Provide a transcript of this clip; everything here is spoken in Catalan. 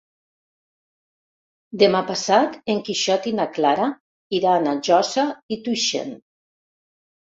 Demà passat en Quixot i na Clara iran a Josa i Tuixén.